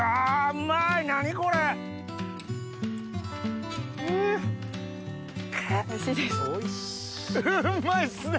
うまいっすね！